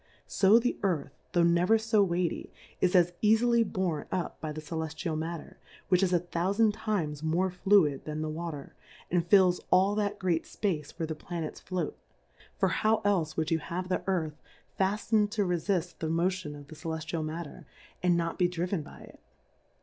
So the Earth, tho' never fo weighty, is as eafily born up by the Celeftial Matter, which is a thoufand times more fluid than the Water, and fills all that great fpace where the Planets float ; for how elfe would you have the Earth fafl:ned to refitt the Motion of the Celeftial Mat ter, and not be driven by it